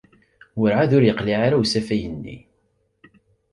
Werɛad ur yeqliɛ ara usafag-nni.